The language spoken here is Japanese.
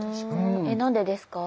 何でですか？